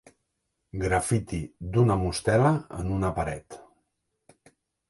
Graffiti d'una mostela en una paret.